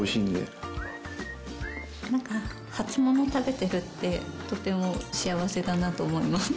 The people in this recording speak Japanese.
初物を食べてるってとても幸せだなと思います。